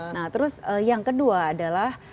nah terus yang kedua adalah